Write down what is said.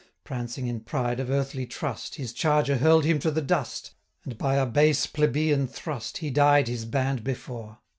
915 Prancing in pride of earthly trust, His charger hurl'd him to the dust, And, by a base plebeian thrust, He died his band before.